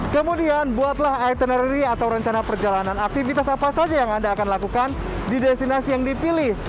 kemudian buatlah itinerary atau rencana perjalanan aktivitas apa saja yang anda akan lakukan di destinasi yang dipilih